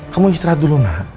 kamu istirahat dulu nak